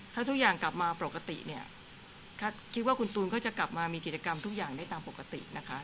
ถ้าทุกอย่างกลับมาปกติเนี่ยคิดว่าคุณตูนก็จะกลับมามีกิจกรรมทุกอย่างได้ตามปกตินะคะ